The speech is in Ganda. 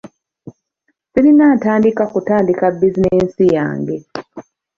Sirina ntandikwa kutandika bizinensi yange.